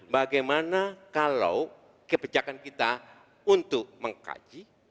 bagaimana kalau kebijakan kita untuk mengkaji